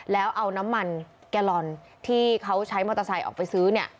แล้วเอาน้ำมันแกลลอนที่เขาใช้มอเตอร์ไซค์ออกไปซื้อเนี่ย